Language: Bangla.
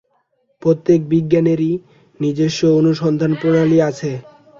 প্রত্যেক বিজ্ঞানেরই নিজস্ব অনুসন্ধান-প্রণালী আছে।